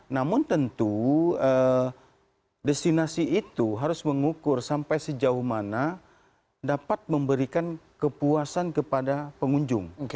namun tentu destinasi itu harus mengukur sampai sejauh mana dapat memberikan kepuasan kepada pengunjung